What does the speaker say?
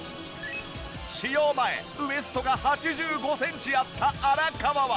使用前ウエストが８５センチあった荒川は。